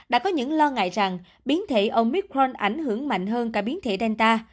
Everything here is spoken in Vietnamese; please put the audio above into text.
đã có những lo ngại rằng biến thể omicron ảnh hưởng mạnh hơn cả biến thể delta